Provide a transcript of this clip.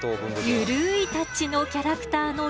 ゆるいタッチのキャラクターのゆるい